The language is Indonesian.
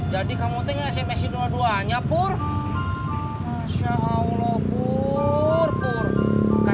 jadi kamu tinggal sms nya dua duanya ya